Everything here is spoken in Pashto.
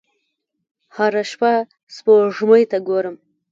هره شپه سپوږمۍ ته ګورم